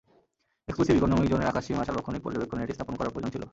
Exclusive economic জোনের আকাশ সীমা সার্বক্ষণিক পর্যবেক্ষণে এটি স্থাপন করা প্রয়োজন ছিল।